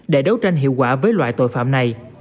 để đấu tranh hiệu quả với loại tội phạm này